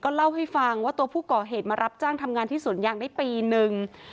เล่าให้ฟังว่าตัวผู้ก่อเหตุมารับจ้างทำงานที่สวนยางได้ปีนึง